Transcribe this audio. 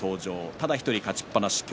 ただ１人、勝ちっぱなしです。